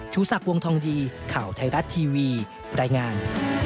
สักวงทองดีข่าวไทยรัฐทีวีรายงาน